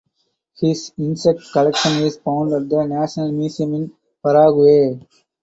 His insect collection is found at the National Museum in Prague.